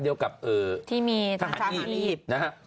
เดียวกับทหาอีภ